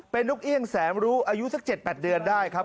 เป็นนกเอี่ยงแสนรู้อายุสัก๗๘เดือนได้ครับ